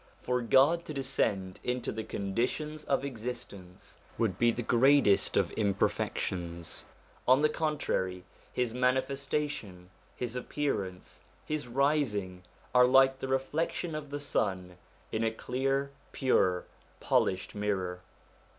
For God to descend into the conditions 1 Cf. 'Pantheism, 'p. 327. I 130 SOME ANSWERED QUESTIONS of existence would be the greatest of imperfections ; on the contrary, His manifestation, His appearance, His rising are like the reflection of the sun in a clear, pure, polished mirror.